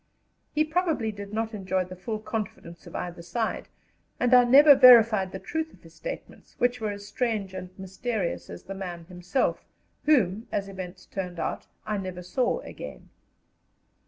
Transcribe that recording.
He probably did not enjoy the full confidence of either side, and I never verified the truth of his statements, which were as strange and mysterious as the man himself, whom, as events turned out, I never saw again.